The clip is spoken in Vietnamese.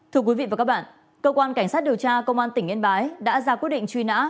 thưa quý vị và các bạn cơ quan cảnh sát điều tra công an tỉnh yên bái đã ra quyết định truy nã